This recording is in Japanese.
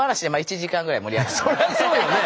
そりゃあそうよね。